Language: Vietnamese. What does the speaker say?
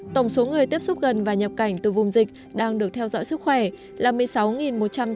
tổng số người tiếp xúc gần và nhập cảnh từ vùng dịch đang được theo dõi sức khỏe là một mươi sáu một trăm tám mươi người